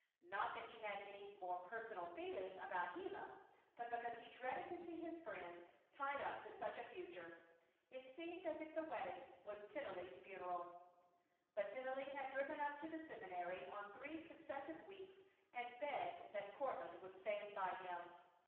Not that he had any more personal feeling about Gila, but because he dreaded to see his friend tied up to such a future. It seemed as if the wedding was Tennelly's funeral. But Tennelly had driven up to the seminary on three successive weeks and begged that Courtland would stand by him.